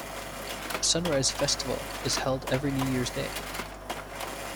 A sunrise festival is held every New Year's Day.